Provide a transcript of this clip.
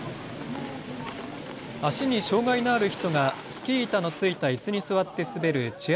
脚に障害のある人がスキー板の付いたイスに座わって滑るチェア